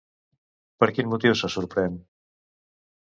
Per quin motiu se sorprèn?